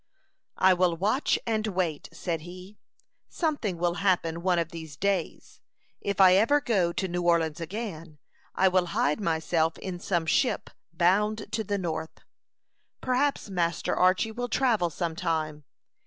"I will watch and wait," said he. "Something will happen one of these days. If I ever go to New Orleans again, I will hide myself in some ship bound to the North. Perhaps Master Archy will travel some time.